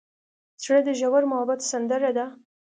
زړه د ژور محبت سندره ده.